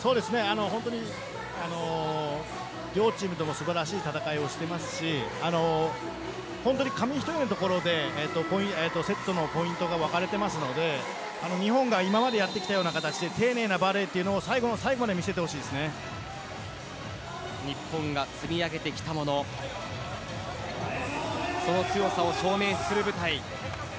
本当に両チームとも素晴らしい戦いをしていますし本当に紙一重のところでセットのポイントが分かれていますので日本が今までやってきたような形で丁寧なバレーというのは最後の最後まで日本が積み上げてきたものその強さを証明する舞台。